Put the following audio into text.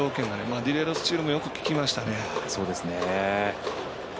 ディレードスチールもよく効きましたね。